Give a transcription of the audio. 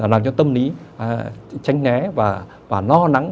làm cho tâm lý tránh né và lo nắng